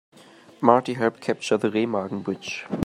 Marty helped capture the Remagen Bridge.